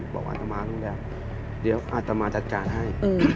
บอกว่าอาธมาร์รู้แล้วเดี๋ยวอาธมาร์จัดการให้